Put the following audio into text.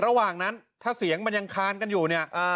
หลังนั้นถ้าเสียงมันยังค้าอยู่เนี่ย